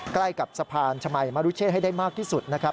ใกล้กับสะพานชมัยมรุเชษให้ได้มากที่สุดนะครับ